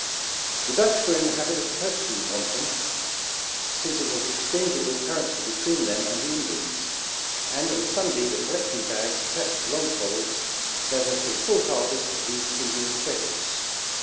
The Dutch were in the habit of purchasing wampum, since it was exchangeable currency between them and the Indians, and on Sunday the collecting ])ags attached to long poles, gathered a full harvest of these Indian sheckles.